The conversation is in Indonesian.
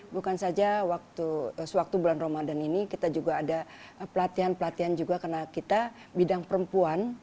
bukan saja waktu sewaktu bulan ramadan ini kita juga ada pelatihan pelatihan juga karena kita bidang perempuan